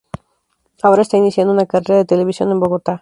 Ahora está iniciando una carrera de televisión en Bogotá.